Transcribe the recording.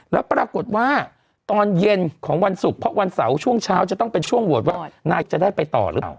แล้วปรากฏว่าตอนเย็นของวันศุกร์เพราะวันเสาร์ช่วงเช้าจะต้องเป็นช่วงโหวตว่านายจะได้ไปต่อหรือเปล่า